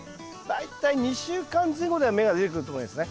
大体２週間前後では芽が出てくると思いますね。